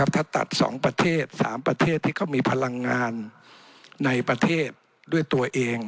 ถ้าตัด๒ประเทศ๓ประเทศที่เขามีพลังงานในประเทศด้วยตัวเอง